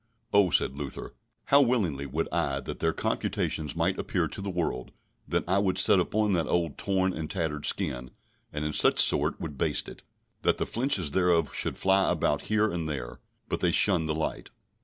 Oh, said Luther, how willingly would I that their confutations might appear to the world; then I would set upon that old torn and tattered skin, and in such sort would baste it, that the flitches thereof should fly about here and there; but they shun the light.